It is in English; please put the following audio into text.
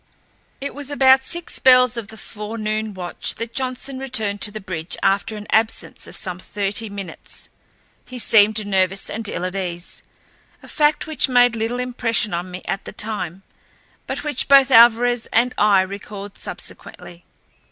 It was about six bells of the forenoon watch that Johnson returned to the bridge after an absence of some thirty minutes. He seemed nervous and ill at ease—a fact which made little impression on me at the time, but which both Alvarez and I recalled subsequently.